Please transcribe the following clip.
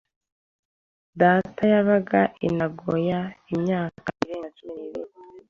Data yabaga i Nagoya imyaka irenga cumi n'itanu.